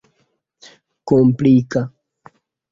komplika